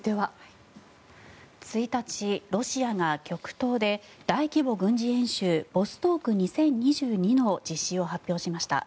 １日、ロシアが極東で大規模軍事演習ボストーク２０２２の実施を発表しました。